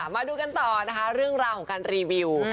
มาดูกันต่อนะคะเรื่องราวของการรีวิว